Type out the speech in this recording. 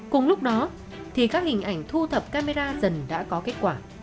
cùng lúc đó thì các hình ảnh thu thập camera dần đã có kết quả